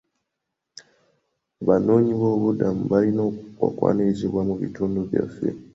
Abanoonyiboobubudamu balina okwanirizibwa mu bitundu byaffe.